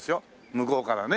向こうからね